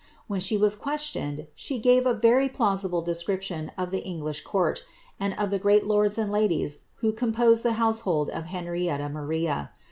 When she was questioned, she gave a very plausible description of the English court, and of the great lords and ladies who composed the household of Henrietta Maria.